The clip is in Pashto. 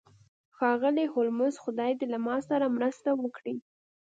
ښاغلی هولمز خدای دې له ما سره مرسته وکړي